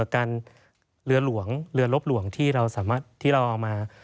การเรือหลวงเรือรบหลวงที่เราเอามา